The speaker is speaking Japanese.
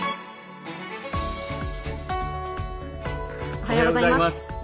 おはようございます。